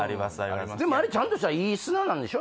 でもあれちゃんとしたいい砂なんでしょ？